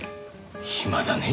暇だねえ。